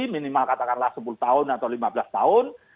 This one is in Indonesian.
minimal katakanlah sepuluh tahun atau lima belas tahun